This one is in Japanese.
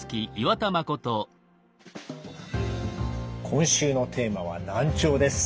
今週のテーマは「難聴」です。